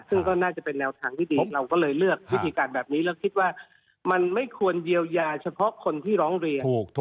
ซึ่งก็น่าจะเป็นแนวทางที่ดีเราก็เลยเลือกวิธีการแบบนี้แล้วคิดว่ามันไม่ควรเยียวยาเฉพาะคนที่ร้องเรียน